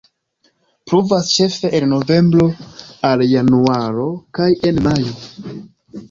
Pluvas ĉefe el novembro al januaro kaj en majo.